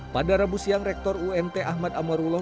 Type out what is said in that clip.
pada rabu siang rektor unt ahmad amarullah